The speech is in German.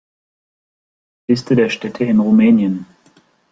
Liste der Städte in Rumänien